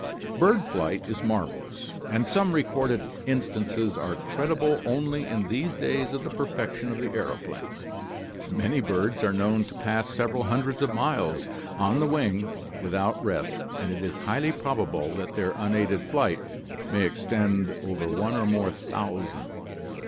Bird flight is marvelous, and some recorded instances are credible only in these days of the perfection of the aeroplane. Many birds are known to pass several hundreds of miles on the wing without rest and it is highly probable that their unaided flight may extend over one or more thousand.